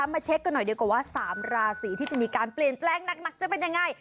มาเช็คกันหน่อยดีกว่าว่า๓ราศีที่จะมีการเปลี่ยนแปลงหนักจะเป็นยังไง